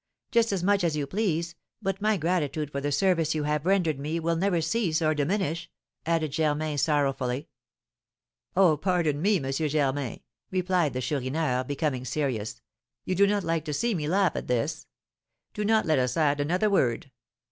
Just as much as you please, but my gratitude for the service you have rendered me will never cease or diminish," added Germain, sorrowfully. "Oh, pardon me, M. Germain!" replied the Chourineur, becoming serious. "You do not like to see me laugh at this; do not let us add another word.